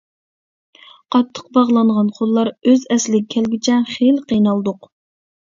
قاتتىق باغلانغان قوللار ئۆز ئەسلىگە كەلگۈچە خېلى قىينالدۇق.